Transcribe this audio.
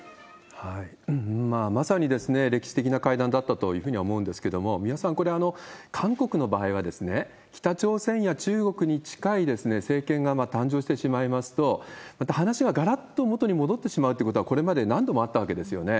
まさに歴史的な会談だったというふうには思うんですけれども、三輪さん、これ、韓国の場合は、北朝鮮や中国に近い政権が誕生してしまいますと、また話ががらっと戻ってしまうということはこれまで何度もあったわけですよね。